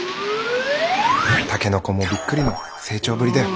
タケノコもびっくりの成長ぶりだよ。